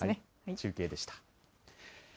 中継でした。